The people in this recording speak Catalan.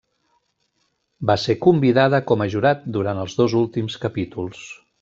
Va ser convidada com a jurat durant els dos últims capítols.